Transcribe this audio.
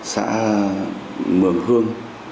xã mường hương